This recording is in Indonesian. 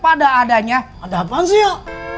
ada adanya ada apaan sih ya